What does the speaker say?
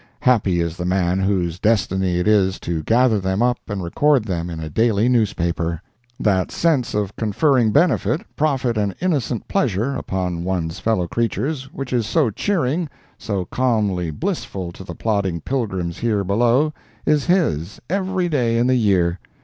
Happy is the man whose destiny it is to gather them up and record them in a daily newspaper! That sense of conferring benefit, profit and innocent pleasure upon one's fellow creatures which is so cheering, so calmly blissful to the plodding pilgrim here below, is his, every day in the year.